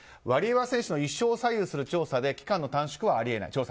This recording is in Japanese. ワリエワ選手の一生を左右する調査で、期間の短縮はあり得ない。